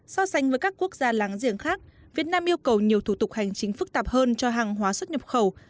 so sánh với các quốc gia láng giềng khác việt nam yêu cầu nhiều thủ tục hành chính phức tạp hơn cho hàng hóa xuất nhập khẩu